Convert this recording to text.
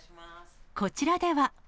こちらでは。